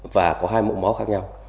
và có hai mẫu máu khác nhau